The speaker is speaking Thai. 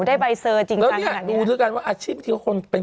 ได้ใบเซอร์จริงแล้วเนี่ยดูด้วยกันว่าอาชีพที่เขาคนเป็น